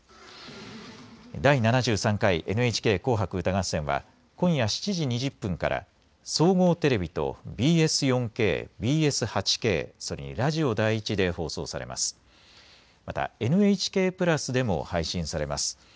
第７３回ＮＨＫ紅白歌合戦は、今夜７時２０分から総合テレビとＢＳ４Ｋ、ＢＳ８Ｋ、それにラジオ第１で放送されます。